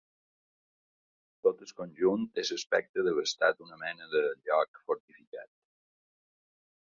Tot el conjunt té l'aspecte d'haver estat una mena de lloc fortificat.